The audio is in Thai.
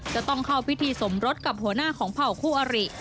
จะต้องเข้าพิธีสมรสกับหัวหน้าของเผ่าคู่อริ